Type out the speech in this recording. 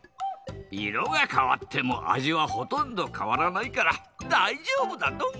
いろがかわってもあじはほとんどかわらないからだいじょうぶだドン。